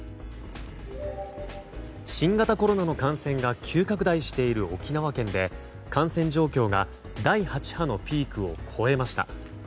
新型コロナの感染が急拡大している沖縄県で感染状況が第８波のピークを超えました。